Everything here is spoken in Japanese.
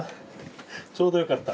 ちょうどよかった。